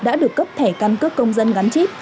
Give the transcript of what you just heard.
đã được cấp thẻ căn cước công dân gắn chip